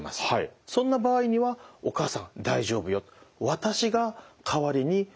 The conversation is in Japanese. そんな場合には「お母さん大丈夫よ」。